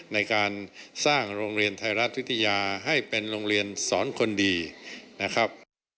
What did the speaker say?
ในการสร้างโรงเรียนไทยรัฐวิทยาให้เป็นโรงเรียนสอนคนดีนะครับ